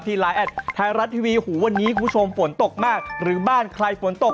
ไลน์แอดไทยรัฐทีวีหูวันนี้คุณผู้ชมฝนตกมากหรือบ้านใครฝนตก